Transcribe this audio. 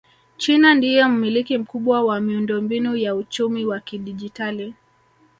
China ndiye mmiliki mkubwa wa miundombinu ya uchumi wa kidigitali